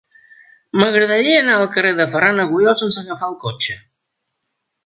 M'agradaria anar al carrer de Ferran Agulló sense agafar el cotxe.